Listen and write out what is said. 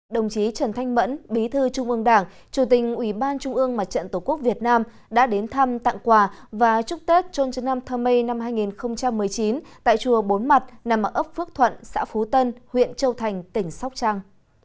đồng chí trần thanh mẫn bí thư trung ương đảng chủ tình ủy ban trung ương mặt trận tổ quốc việt nam đã đến thăm tặng quà và chúc tết trôn trấn nam thơ mây năm hai nghìn một mươi chín tại chùa bốn mặt nằm ở ấp phước thuận xã phú tân huyện châu thành tỉnh sóc trăng